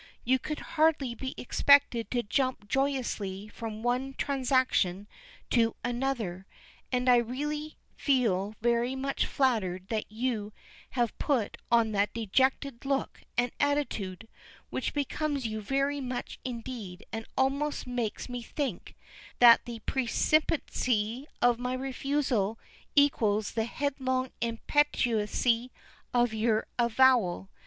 You could hardly be expected to jump joyously from one transaction to another, and I really feel very much flattered that you have put on that dejected look and attitude, which becomes you very much indeed and almost makes me think that the precipitancy of my refusal equals the headlong impetuosity of your avowal.